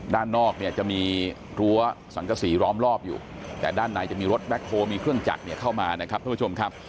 ด้านนอกเนี่ยจะมีรั้วสังกษีร้อมรอบอยู่แต่ด้านในจะมีรถแบล็คโพลมีเครื่องจักรเข้ามานะครับ